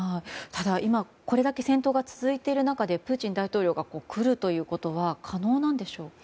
今これだけ戦闘が続いている中でプーチン大統領が来るということは可能なんでしょうか。